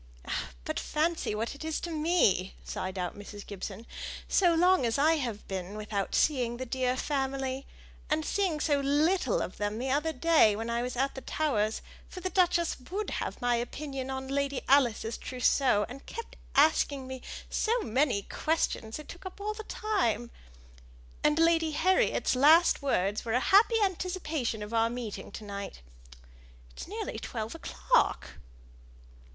"Ah! but fancy what it is to me," sighed out Mrs. Gibson; "so long as I have been without seeing the dear family and seeing so little of them the other day when I was at the Towers (for the duchess would have my opinion on Lady Alice's trousseau, and kept asking me so many questions it took up all the time) and Lady Harriet's last words were a happy anticipation of our meeting to night. It's nearly twelve o'clock."